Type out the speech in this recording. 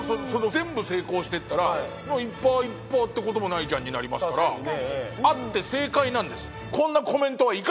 全部成功してったら「１％×１％ってこともないじゃん」になりますからあって正解なんです。